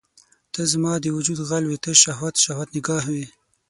ته زما د وجود غل وې ته شهوت، شهوت نګاه وي